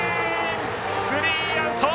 スリーアウト。